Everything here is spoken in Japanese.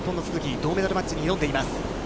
銅メダルマッチに挑んでいます。